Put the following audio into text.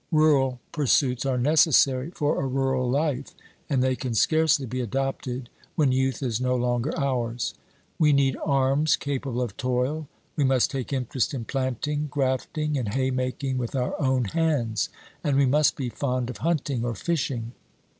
Rural pursuits are necessary for a rural life, and they can scarcely be adopted when youth is no longer ours. We need arms capable of toil, we must take interest in planting, grafting and haymaking with our own hands, and we must be fond of hunting or fishing.